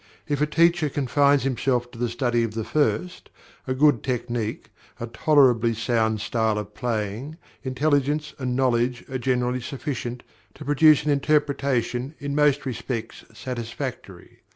If a teacher confines himself to the study of the first, a good technique, a tolerably sound style of playing, intelligence, and knowledge are generally sufficient to produce an interpretation in most respects satisfactory.